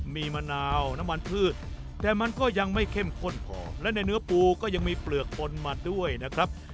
มีมะนาวน้ำมันพืชแต่มันก็ยังไม่เข้มข้นพอและในเนื้อปูก็ยังมีเปลือกปนมาด้วยนะครับ